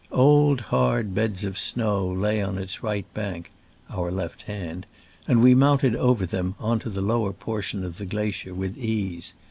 Old, hard beds of snow lay on its right bank (our left hand), and we mounted over them on to the lower portion of the gla cier with ease.